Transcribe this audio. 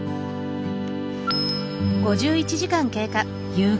夕方。